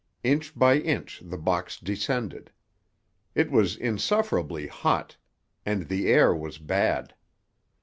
Inch by inch the box descended. It was insufferably hot, and the air was bad.